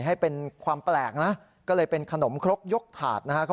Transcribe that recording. ให้เป็นความแปลกนะก็เลยเป็นขนมครกยกถาดนะฮะ